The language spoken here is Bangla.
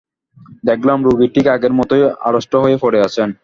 দেখলাম রোগী ঠিক আগের মতোই আড়ষ্ট হয়ে পড়ে আছেন।